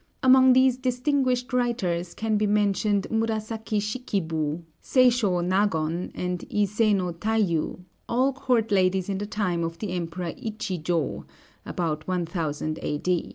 Among these distinguished writers can be mentioned Murasaki Shikibu, Seishō Nagon, and Iséno Taiyu, all court ladies in the time of the Emperor Ichijō (about 1000 A.